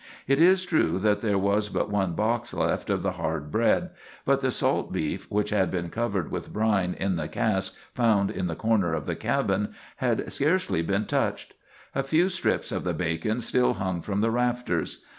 It is true that there was but one box left of the hard bread; but the salt beef, which had been covered with brine in the cask found in the corner of the cabin, had scarcely been touched. A few strips of the bacon still hung from the rafters.